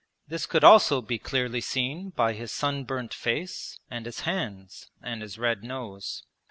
This could also be clearly seen by his sunburnt face and his hands and his red nose.